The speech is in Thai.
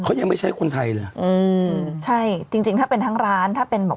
เขายังไม่ใช่คนไทยเลย